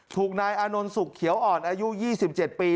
ถูกนายอานนท์สุขเขียวอ่อนอายุ๒๗ปี